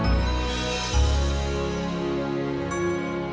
gak ada kata kata terakhir